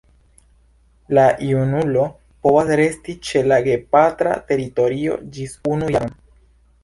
La junulo povas resti ĉe la gepatra teritorio ĝis unu jaron.